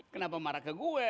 kenapa marah ke gue